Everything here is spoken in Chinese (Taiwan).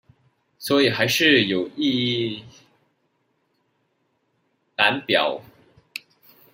所以還是有一覽表